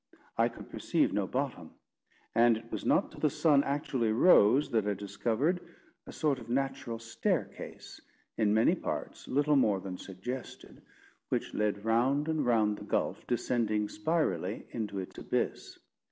I could perceive no bottom; and it was not till the sun actually rose, that I discovered a sort of natural staircase, in many parts little more than suggested, which led round and round the gulf, descending spirally into its abyss.